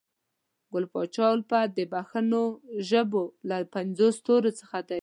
ګل پاچا الفت د پښنو ژبې له پنځو ستورو څخه وو